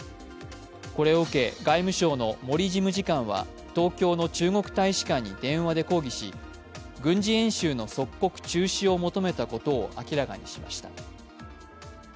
これを受け、外務省の森事務次官は東京の中国大使館に電話で抗議し、軍事演習の即刻中止を求めたことを明らかにしました。